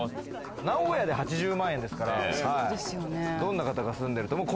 名古屋で８０万円ですから、どんな方が住んでる？っていう。